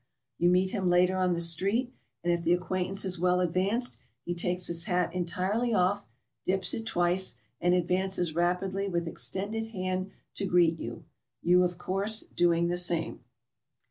You meet him later on the street, and if the acquaintance is well advanced, be takes his hat entirely off, dips it twice, and advances rapidly with extended hand to greet you — you, of course, doing the same.